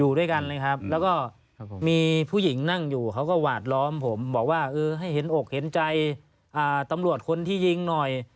อยู่ด้วยกันเลยครับแล้วก็มีผู้หญิงนั่งอยู่เขาก็หวาดล้อมผมบอกว่าเออให้เห็นอกเห็นใจตำรวจคนที่ยิงหน่อย